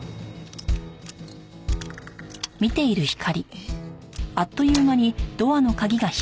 えっ！？